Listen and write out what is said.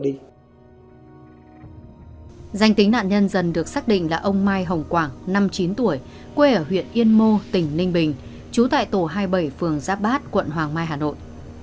danh tính nạn nhân dần được xác định là ông mai hồng quảng năm mươi chín tuổi quê ở huyện yên mô tỉnh ninh bình trú tại tổ hai mươi bảy phường giáp bát quận hoàng mai hà nội